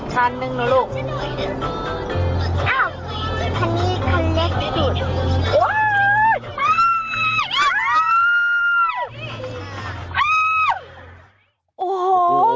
ชานึงนะลูก